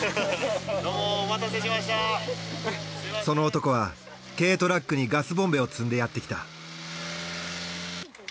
その男は軽トラックにガスボンベを積んでやってきた。